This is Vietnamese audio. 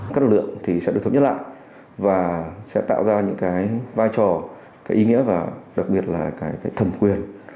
các lực lượng sẽ được thống nhất lại và sẽ tạo ra những vai trò ý nghĩa và đặc biệt là thầm quyền